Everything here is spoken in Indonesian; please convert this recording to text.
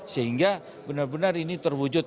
sehingga benar benar ini terwujud